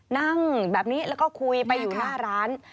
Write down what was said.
นั่งแบบนี้แล้วก็คุยไปอยู่หน้าร้าน